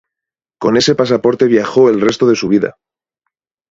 Con ese pasaporte viajó el resto de su vida.